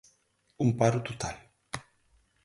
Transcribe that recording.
Un paro total.